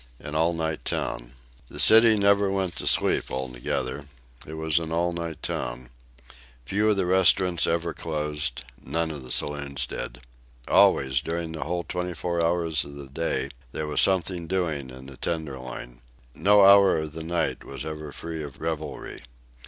AN ALL NIGHT TOWN. The city never went to sleep altogether. It was "an all night" town. Few of the restaurants ever closed, none of the saloons did. Always during the whole twenty four hours of the day there was "something doing" in the Tenderloin. No hour of the night was ever free of revelry.